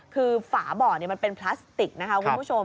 คือฝาเบาะมันเป็นพลาสติกคุณผู้ชม